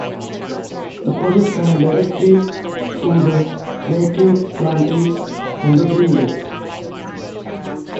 The project ran directly through the native plantings on the Greenbelt.